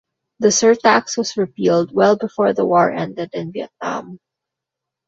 The surtax was repealed well before the war ended in Vietnam.